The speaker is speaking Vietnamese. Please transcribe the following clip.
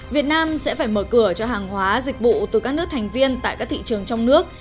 việt nam sẽ phải mở cửa cho hàng hóa dịch vụ từ các nước thành viên tại các thị trường trong nước